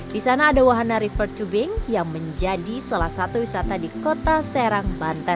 di sana ada wahana river tubing yang menjadi salah satu wisata di kota serang banten